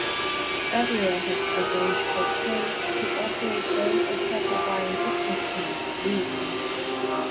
Averell has arranged for Kate to operate both a cattle-buying business and a saloon.